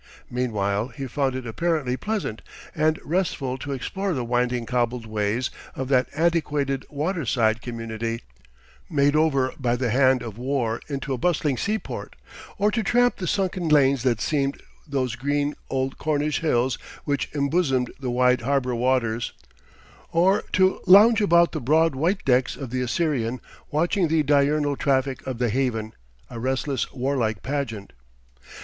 Meanwhile he found it apparently pleasant and restful to explore the winding cobbled ways of that antiquated waterside community, made over by the hand of War into a bustling seaport, or to tramp the sunken lanes that seamed those green old Cornish hills which embosomed the wide harbour waters, or to lounge about the broad white decks of the Assyrian watching the diurnal traffic of the haven a restless, warlike pageant.